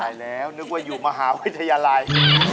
ใช่แล้วนึกว่าอยู่มหาวิทยาลัย